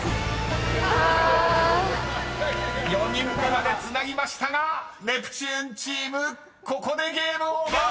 ［４人目までつなぎましたがネプチューンチームここでＧＡＭＥＯＶＥＲ！］